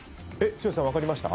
剛さん分かりました？